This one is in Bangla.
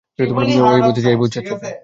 এই ভূত চাচা।